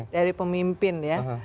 dari pemimpin ya